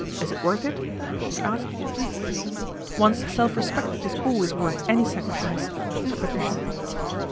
Is it worth it ?" she asked. " One's self respect is always worth any sacri fice," said Patricia.